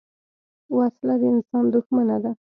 وسله د انسان دښمنه ده